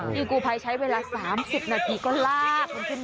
ที่กูภัยใช้เวลา๓๐นาทีก็ลาก